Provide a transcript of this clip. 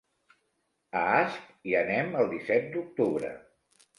A Asp hi anem el disset d'octubre.